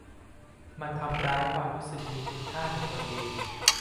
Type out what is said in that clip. มันทำร้ายความรู้สึกมีคุณค่าในตนเอง